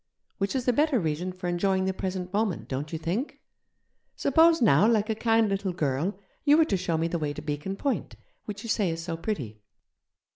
Which is the better reason for enjoying the present moment, don't you think? Suppose, now, like a kind little girl, you were to show me the way to Beacon Point, which you say is so pretty?'